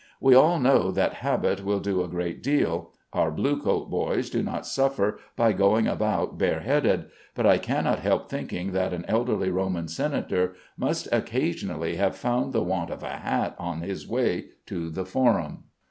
We all know that habit will do a great deal; our Bluecoat boys do not suffer by going about bareheaded; but I cannot help thinking that an elderly Roman senator must occasionally have found the want of a hat on his way to the forum.